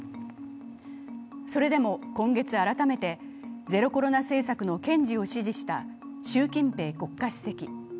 それでも今月、改めてゼロコロナ政策の堅持を支持した習近平主席。